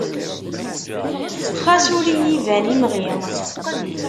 Xas ur i yi-ban imɣi.